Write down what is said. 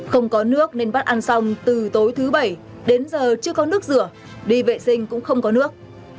không có nước nên bắt ăn xong từ tối thứ bảy đến giờ chưa có nước rửa đi vệ sinh cũng không có nước